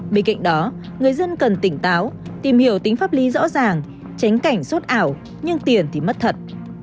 bên cạnh đó người dân cần tỉnh táo tìm hiểu tính pháp lý rõ ràng tránh cảnh sốt ảo nhưng tiền thì mất thật